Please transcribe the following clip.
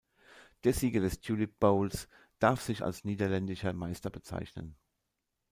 Der Sieger des Tulip Bowls darf sich als Niederländischer Meister bezeichnen.